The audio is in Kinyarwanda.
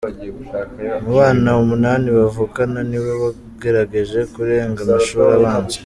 Mu bana umunani bavukana niwe wagerageje kurenga amashuri abanza.